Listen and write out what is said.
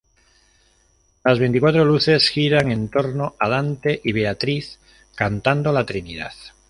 Las veinticuatro luces giran en torno a Dante y Beatriz, cantando la Trinidad.